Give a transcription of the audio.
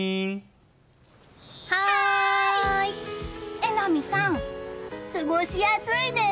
榎並さん、過ごしやすいです！